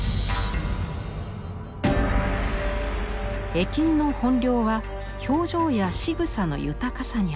絵金の本領は表情やしぐさの豊かさにあります。